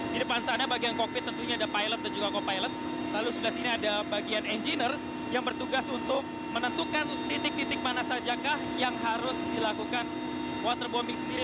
di depan sana bagian kokpit tentunya ada pilot dan juga co pilot lalu sebelah sini ada bagian engineer yang bertugas untuk menentukan titik titik mana saja kah yang harus dilakukan waterbombing sendiri